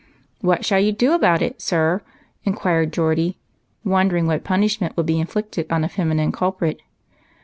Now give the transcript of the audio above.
"What shall you do about it, sir?" inquired Geordie, wondering what punishment would be in flicted on a feminine culprit.